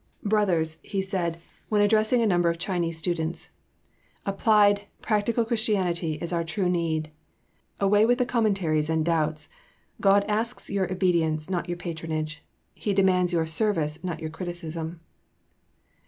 "Brothers," he said, when addressing a number of Chinese students, "applied, practical Christianity is our true need. Away with the commentaries and doubts. God asks your obedience, not your patronage. He demands your service, not your criticism."